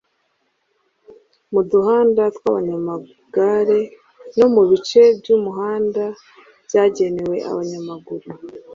mu duhanda tw abanyamagare no mu bice by umuhanda byagenewe abanyamaguru